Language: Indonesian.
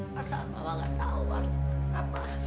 masa mama gak tahu harus kenapa